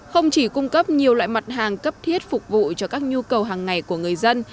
không chỉ cung cấp nhiều loại mặt hàng cấp thiết phục vụ cho các nhu cầu hàng ngày của người dân